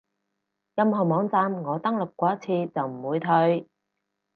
任何網站我登錄過一次就唔會退